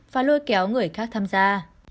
và lôi kéo người khác tham gia